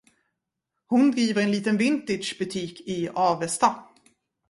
Hon driver en liten vintagebutik i Avesta.